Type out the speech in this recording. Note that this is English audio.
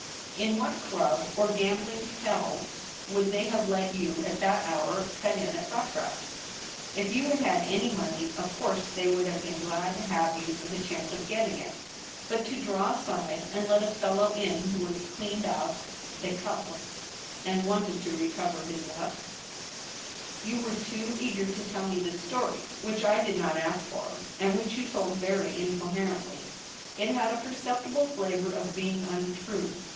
" In what club or gambling hell would they have let you at that hour cut in at baccarat f If you had had any money, of course they would have been glad to have you for the chance of getting it ; but to draw aside and let a fellow in who was cleaned out — dicavi — and wanted to recover his luck —" You were too eager to tell me this story, which I did not ask for, and which you told very incoherently. It had a perceptible flavor of being untrue.